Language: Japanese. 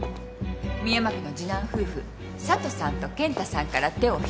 深山家の次男夫婦佐都さんと健太さんから手を引くこと